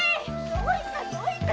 どいたどいた！